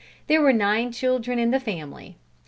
There were nine children in the family.